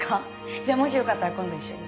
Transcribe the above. じゃあもしよかったら今度一緒に。